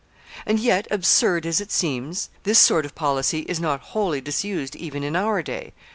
And yet, absurd as it seems, this sort of policy is not wholly disused even in our day.